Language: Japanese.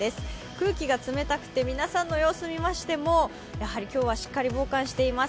空気が冷たくて皆さんの様子を見ましてもやはり今日はしっかり防寒しています。